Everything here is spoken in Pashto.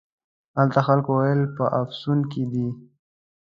هلته خلکو ویل په افسون کې دی.